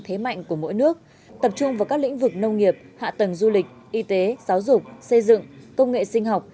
thế mạnh của mỗi nước tập trung vào các lĩnh vực nông nghiệp hạ tầng du lịch y tế giáo dục xây dựng công nghệ sinh học